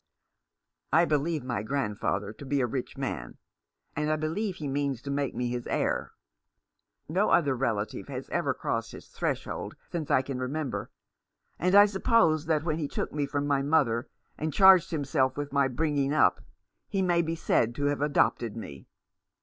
"I believe my grandfather to be a rich man, and I believe he means to make me his heir. No other relative has ever crossed his threshold since I can remember ; and I suppose that when he took me from my mother and charged himself with my bringing up he may be said to have adopted me."